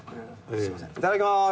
いただきます。